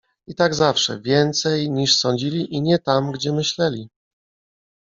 I tak zawsze; więcej, niż sądzili, i nie tam, gdzie myśleli.